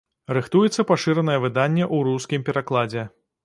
Рыхтуецца пашыранае выданне ў рускім перакладзе.